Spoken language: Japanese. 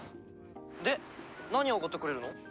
「で何おごってくれるの？」